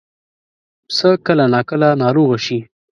پسه کله ناکله ناروغه شي.